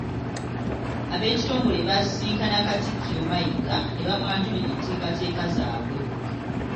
Ab'ekitongole baasisinkana Katikkiro Mayiga ne bamwanjulira enteekateeka zaabwe.